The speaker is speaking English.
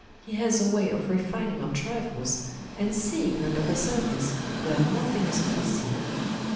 He has a way of refining on trifles, and seeing under the surface, where nothing is to be seen.